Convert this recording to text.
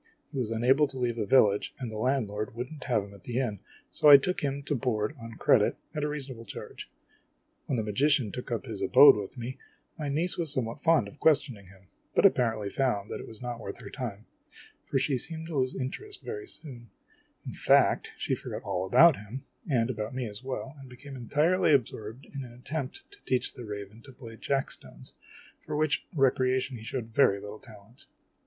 > O He was unable to leave the village, and the landlord would n't o have him at the inn, so I took him to board on credit, at a reason able charge. o When the magician took up his abode with me, my niece was somewhat fond of questioning him, but apparently found that it was not worth her time, for she seemed to lose interest in this very THE MAGICIAN BEGAN A POWERFUL INVOCATION. THE ASTROLOGER S NIECE soon. In fact, she forgot all about him, and about me as well, and became entirely absorbed in an attempt to teach the raven to play jack stones for which recreation he showed very little talent.